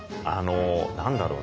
何だろう？